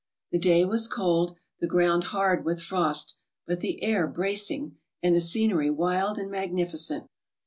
The day was cold, the ground hard with frost, but the air bracing, and the scenery wild and magni¬ ficent.